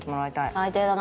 最低だな。